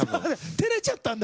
てれちゃったんだ。